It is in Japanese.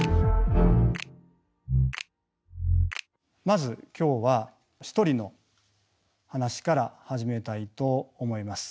まず今日は一人の話から始めたいと思います。